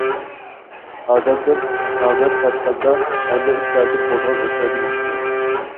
ئادەمدىن ئامەت قاچقاندا، ھەممە ئىش تەتۈر بولىدىغان ئوخشايدۇ مۇشۇنداق!